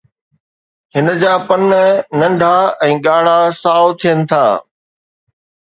هن جا پن ننڍا ۽ ڳاڙها سائو ٿين ٿا